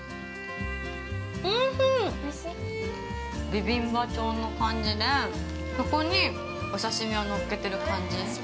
◆ビビンバ調の感じで、そこにお刺身を載っけてる感じ。